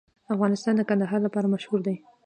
افغانستان د کندهار لپاره مشهور دی.